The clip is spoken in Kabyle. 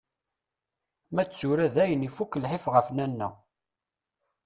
Ma d tura dayen, ifuk lḥif ɣef Nanna.